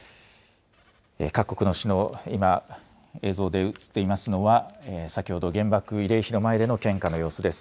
各国の首脳、今、映像で映っていますのは先ほど原爆慰霊碑の前での献花の様子です。